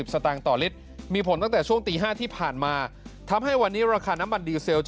สตางค์ต่อลิตรมีผลตั้งแต่ช่วงตี๕ที่ผ่านมาทำให้วันนี้ราคาน้ำมันดีเซล